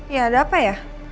ya ada apa ya